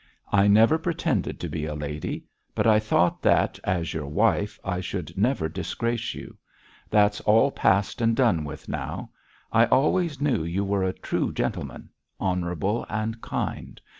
I never pretended to be a lady; but I thought that, as your wife, I should never disgrace you. That's all past and done with now. I always knew you were a true gentleman honourable and kind.